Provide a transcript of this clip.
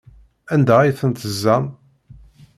Anda ay tent-teẓẓam?